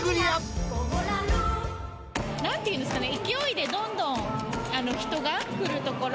何ていうんですかね。